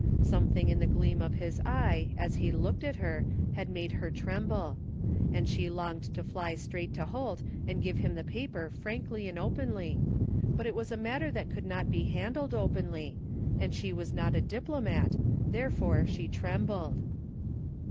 Some thing in the gleam of his eye as he looked at her had made her tremble; and she longed to fly straight to Holt and give him the paper frankly and openly, but it was a matter that could not be handled openly, and she was not a diplomat, therefore she trembled.